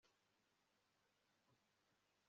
bwanduye abantu barenga bibirindetse n'impfu